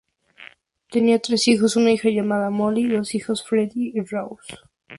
Tenía tres hijos, una hija llamada Molly y dos hijos, Freddie y Ross.